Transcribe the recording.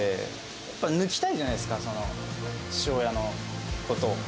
やっぱ抜きたいじゃないですか、父親のことを。